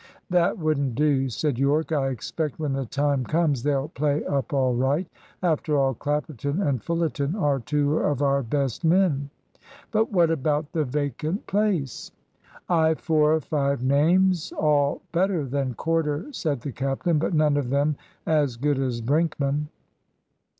"That wouldn't do," said Yorke. "I expect when the time comes they'll play up all right. After all, Clapperton and Fullerton are two of our best men." "But what about the vacant place?" "I've four or five names all better than Corder," said the captain, "but none of them as good as Brinkman."